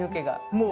もう！